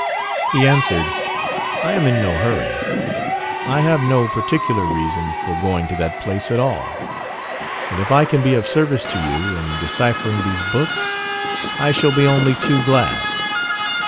He answered, "I am in no hurry. I have no particular reason for going to that place at all, and if I can be of service to you in deciphering these books, I shall be only too glad."